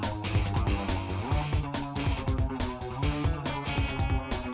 aduh aduh aduh aduh